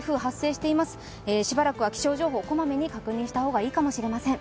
しばらくは気象情報こまめに確認した方がいいかもしれません。